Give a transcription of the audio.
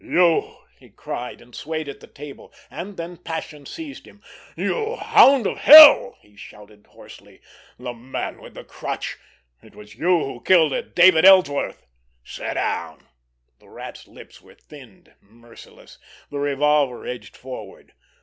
"You!" he cried, and swayed at the table. And then passion seized him. "You hound of hell!" he shouted hoarsely. "The Man with the Crutch—it was you who killed David Ellsworth!" "Sit down!" The Rat's lips were thinned, merciless; the revolver edged forward.